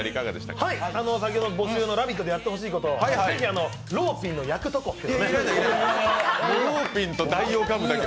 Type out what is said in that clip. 先ほど募集の「ラヴィット！」でやってほしいとこ、ぜひローピンの焼くとこって。